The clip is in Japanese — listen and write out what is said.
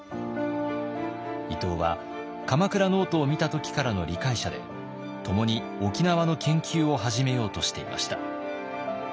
伊東は鎌倉ノートを見た時からの理解者で共に沖縄の研究を始めようとしていました。